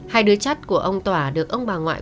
hai đứa chót của ông tỏa được ông bà ngoại